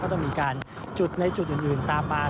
ต้องมีการจุดในจุดอื่นตามมา